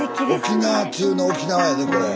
沖縄中の沖縄やでこれ。